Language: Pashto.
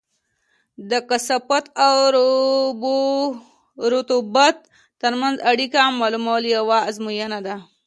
د کثافت او رطوبت ترمنځ اړیکه معلومول یوه ازموینه ده